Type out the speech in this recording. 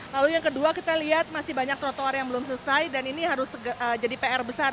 lalu yang kedua kita lihat masih banyak trotoar yang belum selesai dan ini harus jadi pr besar